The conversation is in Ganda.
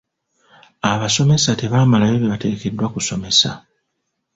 Abasomesa tebamalaayo bye bateekeddwa kusomesa.